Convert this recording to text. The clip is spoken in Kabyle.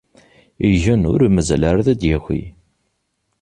igen, ur mazal ara ad d-yaki.